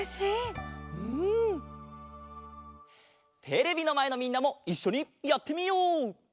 テレビのまえのみんなもいっしょにやってみよう！